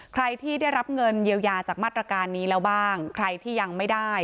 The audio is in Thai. ใครที่ได้รับเงินเยียวยาจากมาตรการนี้แล้วบ้างใครที่ยังไม่ได้